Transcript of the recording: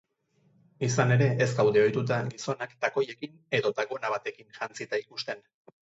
Izan ere, ez gaude ohituta gizonak takoiekin edota gona batekin jantzita ikusten.